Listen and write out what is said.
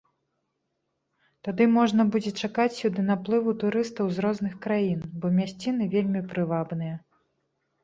Тады можна будзе чакаць сюды наплыву турыстаў з розных краін, бо мясціны вельмі прывабныя.